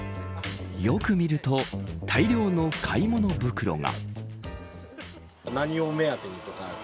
よく見ると大量の買い物袋が。